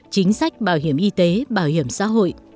chính sách bảo hiểm y tế bảo hiểm xã hội